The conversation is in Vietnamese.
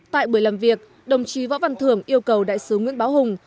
tại buổi làm việc đồng chí võ văn thưởng yêu cầu đại sứ nguyễn báo hùng